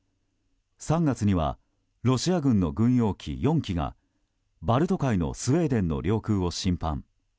３月にはロシア軍の軍用機４機がバルト海のスウェーデンの領空を侵犯。